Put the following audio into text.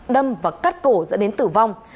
đâm và cắt cổ dẫn đến tử vong